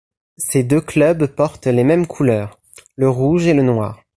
Ces deux clubs portent les mêmes couleurs, le rouge et le noir.